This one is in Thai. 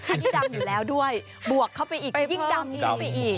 ยิ่งดำอยู่แล้วด้วยบวกเข้าไปอีกยิ่งดำขึ้นไปอีก